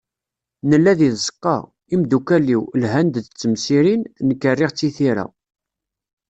Nella di tzeqqa, imeddukkal-iw, lhan-d d temsirin, nekk rriɣ-tt i tira.